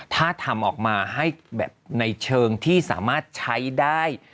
ถ้าทำออกมาให้แบบในเชิงที่สามารถใช้ได้